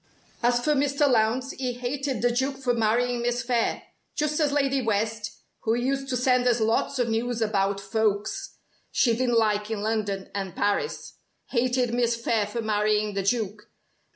"As for Mr. Lowndes, he hated the Duke for marrying Miss Phayre just as Lady West (who used to send us lots of news about folks she didn't like in London and Paris) hated Miss Phayre for marrying the Duke.